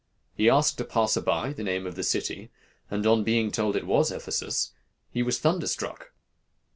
He asked a passer by the name of the city, and on being told it was Ephesus, he was thunderstruck.